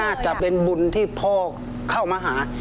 น่าจะเป็นบุญที่พ่อเข้ามาหา